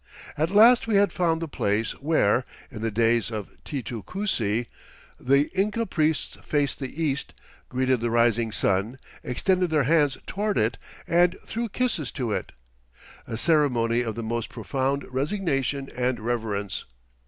At last we had found the place where, in the days of Titu Cusi, the Inca priests faced the east, greeted the rising sun, "extended their hands toward it," and "threw kisses to it," "a ceremony of the most profound resignation and reverence."